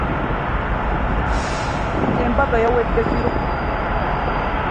Embaga yawedde kiro.